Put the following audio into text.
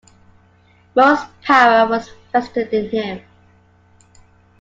Most power was vested in him.